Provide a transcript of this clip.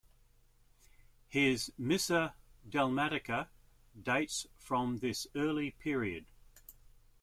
His "Missa dalmatica" dates from this early period.